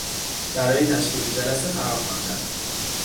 برای تشکیل جلسه فراخواندن